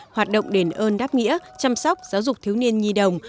hoạt động đền ơn đáp nghĩa chăm sóc giáo dục thiếu niên nhi đồng